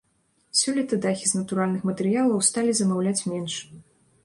Сёлета дахі з натуральных матэрыялаў сталі замаўляць менш.